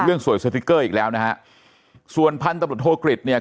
เรื่องสวยสติ๊กเกอร์อีกแล้วนะฮะส่วนพันธุ์ตำรวจโทษฎีลภพภูมิเนี่ย